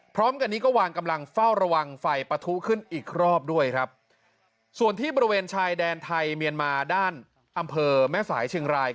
พร้อมกันนี้ก็วางกำลังเฝ้าระวังไฟปะทุขึ้นอีกรอบด้วยครับส่วนที่บริเวณชายแดนไทยเมียนมาด้านอำเภอแม่สายเชียงราย